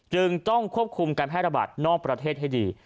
จึงต้องควบคุมการแพร่ระบาดนอกประเทศให้ดี